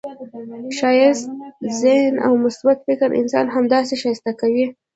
ښایسته ذهن او مثبت فکر انسان همداسي ښایسته کوي.